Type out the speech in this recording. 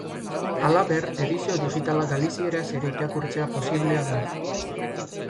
Halaber, edizio digitala galizieraz ere irakurtzea posiblea da.